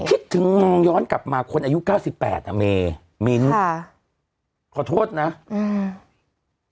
คิดถึงมองย้อนกลับมาคนอายุเก้าสิบแปดอ่ะเมมิ้นค่ะขอโทษนะอืม